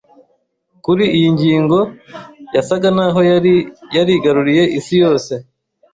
Kuri iyi ngingo, yasaga n’aho yari yarigaruriye isi yose;